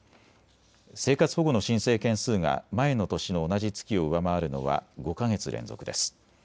生活保護の申請件数が前の年の同じ月を上回るのは５か月連続です。